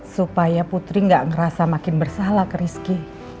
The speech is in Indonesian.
supaya putri gak ngerasa makin bersalah ke rizky